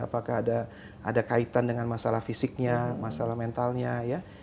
apakah ada kaitan dengan masalah fisiknya masalah mentalnya ya